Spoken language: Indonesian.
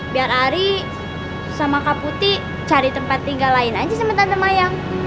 biar ari sama kak putih cari tempat tinggal lain aja sama tante maya